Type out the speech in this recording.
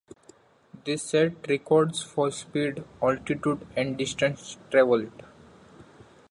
They set records for speed, altitude and distance travelled.